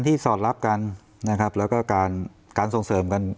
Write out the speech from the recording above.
สอดรับกันนะครับแล้วก็การการส่งเสริมกัน